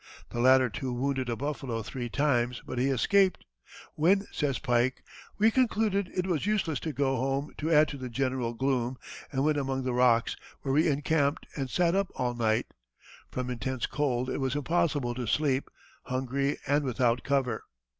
The latter two wounded a buffalo three times, but he escaped, when, says Pike: "We concluded it was useless to go home to add to the general gloom, and went among the rocks, where we encamped and sat up all night; from intense cold it was impossible to sleep, hungry and without cover."